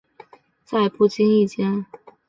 在不经意间